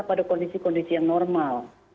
pada kondisi kondisi yang normal